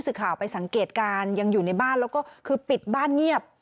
สื่อข่าวไปสังเกตการณ์ยังอยู่ในบ้านแล้วก็คือปิดบ้านเงียบ